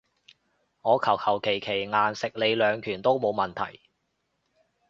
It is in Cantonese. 我求求其其硬食你兩拳都冇問題